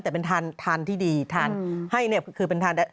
แต่เป็นทานที่ดีทานให้นี่คือเป็นทาน